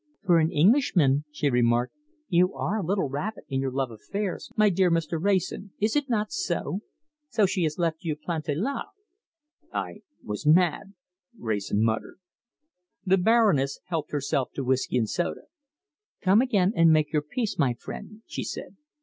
"For an Englishman," she remarked, "you are a little rapid in your love affairs, my dear Mr. Wrayson, is it not so? So she has left you planté là!" "I was mad," Wrayson muttered. The Baroness helped herself to whisky and soda. "Come again and make your peace, my friend," she said.